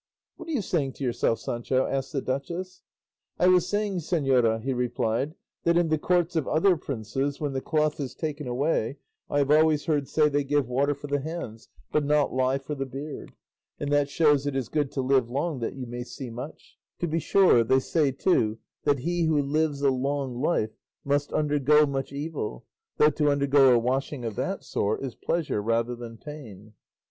"What are you saying to yourself, Sancho?" asked the duchess. "I was saying, señora," he replied, "that in the courts of other princes, when the cloth is taken away, I have always heard say they give water for the hands, but not lye for the beard; and that shows it is good to live long that you may see much; to be sure, they say too that he who lives a long life must undergo much evil, though to undergo a washing of that sort is pleasure rather than pain."